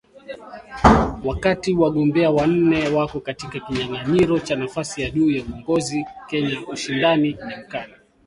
Wakati wagombea wanne wako katika kinyang’anyiro cha nafasi ya juu ya uongozi Kenya, ushindani ni mkali.